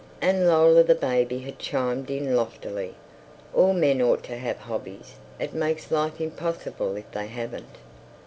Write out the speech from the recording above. And Lola the baby had chimed in loftily, "All men ought to have hobbies. It makes life impossible if they haven't."